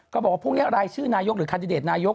บอกว่าพรุ่งนี้รายชื่อนายกหรือคันดิเดตนายก